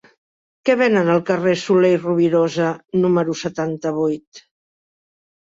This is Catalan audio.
Què venen al carrer de Soler i Rovirosa número setanta-vuit?